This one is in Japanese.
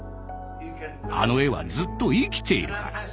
あの絵はずっと生きているから。